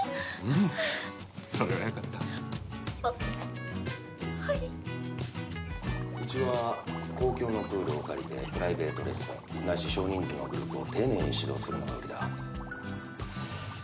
うちは公共のプールを借りてプライベートレッスンないし少人数のグループを丁寧に指導するのが売りだ。